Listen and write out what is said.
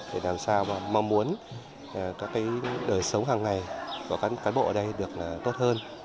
để làm sao mong muốn các cái đời sống hàng ngày của các cán bộ ở đây được tốt hơn